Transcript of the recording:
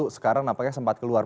sekarang nampaknya sempat keluar